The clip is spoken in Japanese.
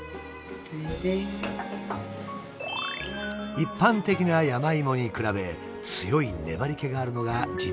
一般的な山芋に比べ強い粘りけがあるのが自然薯の特徴。